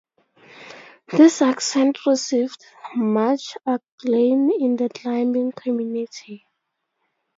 This ascent received much acclaim in the climbing community.